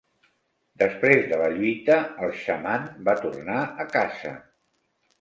Després de la lluita, el xaman va tornar a casa.